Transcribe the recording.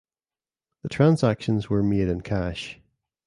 The transactions were made in cash.